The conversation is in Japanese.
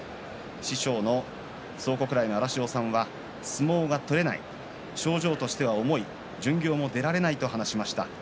師匠の蒼国来の荒汐さんは相撲が取れない症状としては重い巡業も出られないと話しました。